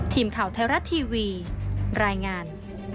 ทีมข่าวไทยรัฐทีวีรายงาน